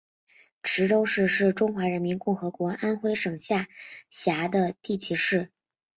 池州市是中华人民共和国安徽省下辖的地级市。